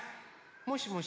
もしもし？